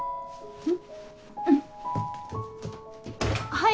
はい！